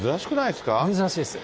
珍しいです。